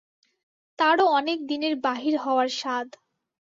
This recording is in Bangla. তারও অনেক দিনের বাহির হওয়ার সাধ।